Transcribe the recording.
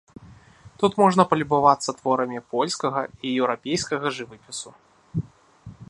Тут можна палюбавацца творамі польскага і еўрапейскага жывапісу.